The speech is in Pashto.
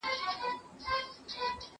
زه به سبا د کتابتون د کار مرسته کوم!!